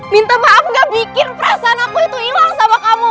minta maaf gak bikin perasaan aku itu hilang sama kamu